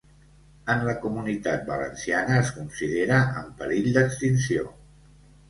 En la Comunitat Valenciana es considera en perill d'extinció.